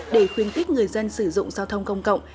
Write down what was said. để khuyến khích người dân sử dụng giao thông công cộng